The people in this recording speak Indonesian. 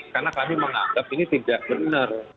karena kami menganggap ini tidak benar